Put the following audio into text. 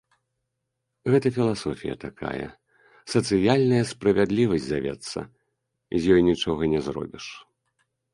Гэта філасофія такая, сацыяльная справядлівасць завецца, з ёй нічога не зробіш.